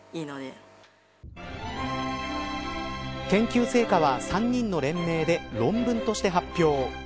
研究成果は３人の連名で論文として発表。